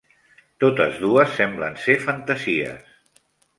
Totes dues semblen ser fantasies.